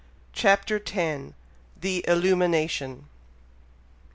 CHAPTER X. THE ILLUMINATION.